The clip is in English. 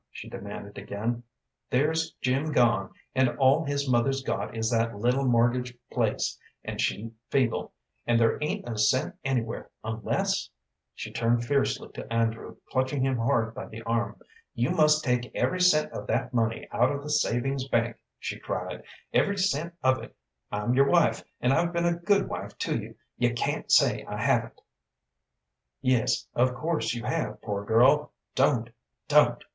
she demanded again. "There's Jim gone, and all his mother's got is that little, mortgaged place, and she feeble, and there ain't a cent anywhere, unless " She turned fiercely to Andrew, clutching him hard by the arm. "You must take every cent of that money out of the savings bank," she cried, "every cent of it. I'm your wife, and I've been a good wife to you, you can't say I haven't." "Yes, of course you have, poor girl! Don't, don't!"